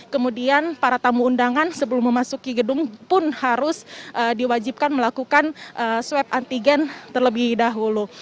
kemudian para tamu undangan sebelum memasuki gedung pun harus diwajibkan melakukan swab antigen terlebih dahulu